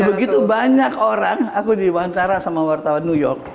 begitu banyak orang aku diwawancara sama wartawan new york